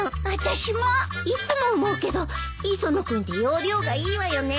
いつも思うけど磯野君って要領がいいわよね。